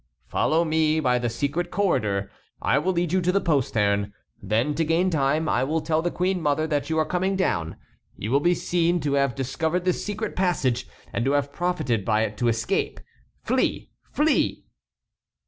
"Follow me by the secret corridor. I will lead you to the postern. Then, to gain time, I will tell the queen mother that you are coming down; you will be seen to have discovered this secret passage, and to have profited by it to escape. Flee! Flee!"